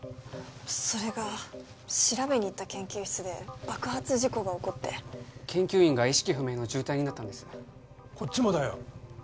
それが調べに行った研究室で爆発事故が起こって研究員が意識不明の重体になったんですこっちもだよ